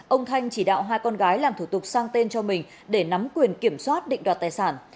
ông thành không có quyền kiểm soát định đoạt tài sản